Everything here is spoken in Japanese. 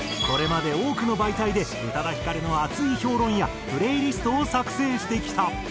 これまで多くの媒体で宇多田ヒカルの熱い評論やプレイリストを作成してきた。